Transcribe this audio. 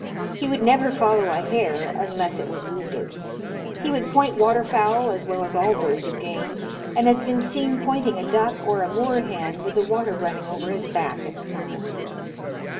He would never follow a hare unless it was wounded. He would point water fowl as well as all birds of game, and has been seen pointing a duck or a moor hen with the water running over his back at the time.